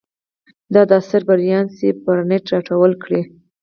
دا اثر بریان سي بارنټ راټول کړی.